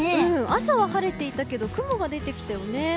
朝は晴れていたけど雲が出てきたよね。